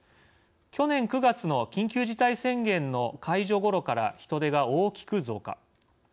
去年９月の緊急事態宣言の解除ごろから人出が大きく増加。